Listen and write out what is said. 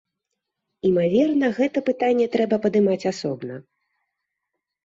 Імаверна, гэта пытанне трэба падымаць асобна.